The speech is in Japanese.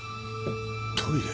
トイレ？